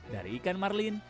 dari ikan marlin